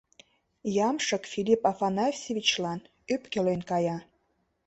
Ямшык Филипп Афанасьевичлан ӧпкелен кая: